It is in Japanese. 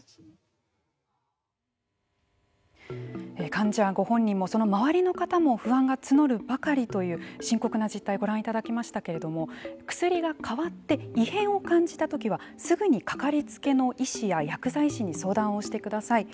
患者ご本人もその周りの方も不安が募るばかりという深刻な実態をご覧いただきましたけれども薬が変わって異変を感じたときはすぐにかかりつけの医師や薬剤師に相談をしてください。